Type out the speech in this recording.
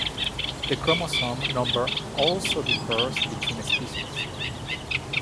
The chromosome number also differs between species.